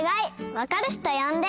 わかる人よんで！